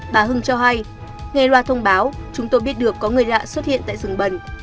bà hưng cho hay nghề loa thông báo chúng tôi biết được có người lạ xuất hiện tại rừng bần